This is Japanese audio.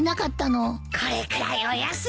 これくらいお安いご用さ。